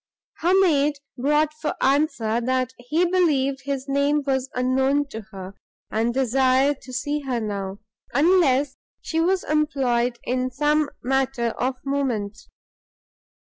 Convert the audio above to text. Her maid brought for answer, that he believed his name was unknown to her, and desired to see her now, unless she was employed in some matter of moment.